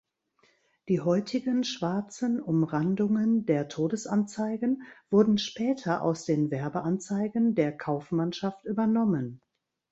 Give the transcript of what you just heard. Die heutigen schwarzen Umrandungen der Todesanzeigen wurden später aus den Werbeanzeigen der Kaufmannschaft übernommen.